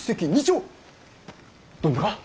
どんなか？